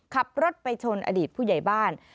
ขับรถไปชนอดีตผู้ใหญ่บ้าน